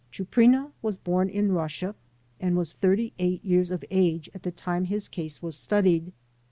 Chuprina was bom in Russia and was 38 years of age at the time his case was studied.